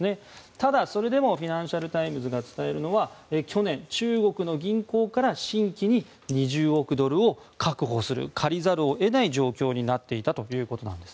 ただ、それでもフィナンシャル・タイムズが伝えるのは去年、中国の銀行から新規に２０億ドルを確保する借りざるを得ない状況になっていたということなんです。